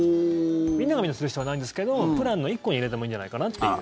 みんながみんなする必要はないんですけどプランの１個に入れてもいいんじゃないかなっていう。